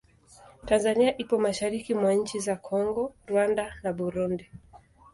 Tanzania ipo mashariki mwa nchi za Kongo, Rwanda na Burundi.